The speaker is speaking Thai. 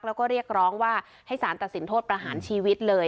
แล้วก็เรียกร้องว่าให้สารตัดสินโทษประหารชีวิตเลย